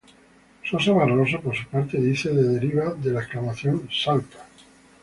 Sosa Barroso, por su parte, dice de deriva de la exclamación "¡salta!